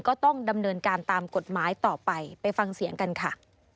ก็ต้องดำเนินการตามกฎหมายต่อไปไปฟังเสียงกันค่ะ